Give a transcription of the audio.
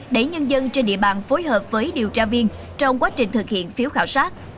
để nhân dân trên địa bàn phối hợp với điều tra viên trong quá trình thực hiện phiếu khảo sát